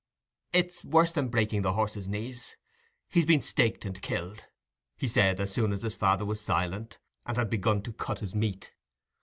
"It's worse than breaking the horse's knees—he's been staked and killed," he said, as soon as his father was silent, and had begun to cut his meat.